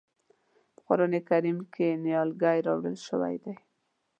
په قرآن کریم کې نیالګی راوړل شوی دی.